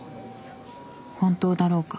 本当だろうか？」。